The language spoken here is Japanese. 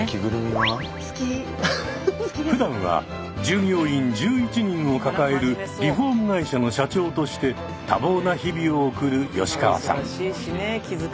ふだんは従業員１１人を抱えるリフォーム会社の社長として多忙な日々を送る吉川さん。